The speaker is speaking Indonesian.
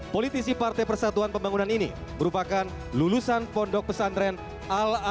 politisi partai persatuan pembangunan ini merupakan lulusan pondok pesantren al ⁇ aa